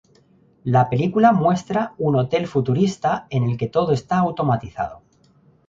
La película muestra un hotel futurista en el que todo está automatizado.